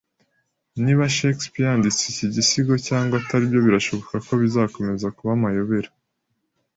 Niba Shakespeare yanditse iki gisigo cyangwa ataribyo birashoboka ko bizakomeza kuba amayobera.